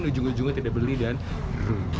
ujung ujungnya tidak beli dan beli